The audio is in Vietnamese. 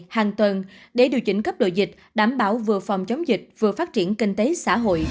hàng tuần để điều chỉnh cấp độ dịch đảm bảo vừa phòng chống dịch vừa phát triển kinh tế xã hội